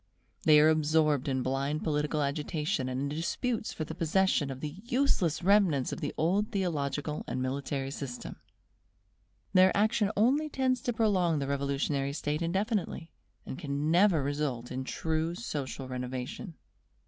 They are absorbed in blind political agitation and in disputes for the possession of the useless remnants of the old theological and military system. Their action only tends to prolong the revolutionary state indefinitely, and can never result in true social renovation.